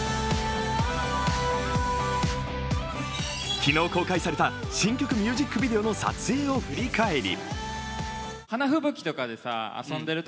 昨日公開された新曲ミュージックビデオの撮影を振り返り